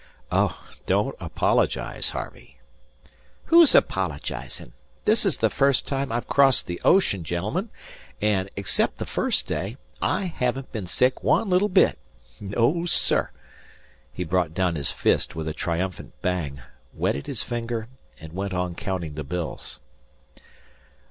"Oh, don't apologize, Harvey." "Who's apologizing? This is the first time I've crossed the ocean, gen'elmen, and, except the first day, I haven't been sick one little bit. No, sir!" He brought down his fist with a triumphant bang, wetted his finger, and went on counting the bills.